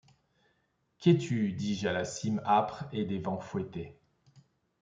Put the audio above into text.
-Qu'es-tu ? dis-je à la cime âpre et des vents fouettée.